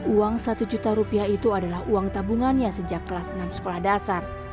uang satu juta rupiah itu adalah uang tabungannya sejak kelas enam sekolah dasar